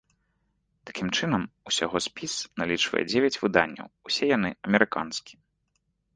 Такім чынам, усяго спіс налічвае дзевяць выданняў, усе яны амерыканскія.